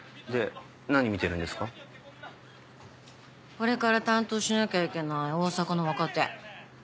これから担当しなきゃいけない大阪の若手。